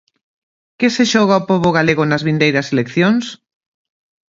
Que se xoga o pobo galego nas vindeiras eleccións?